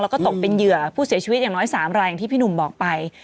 แล้วก็ตกเป็นเหยื่อผู้เสียชีวิตอย่างน้อย๓รายอย่างที่พี่หนุ่มบอกไป